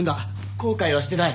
後悔はしてない。